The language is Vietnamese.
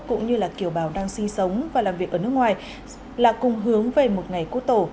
cũng như là kiều bào đang sinh sống và làm việc ở nước ngoài là cùng hướng về một ngày quốc tổ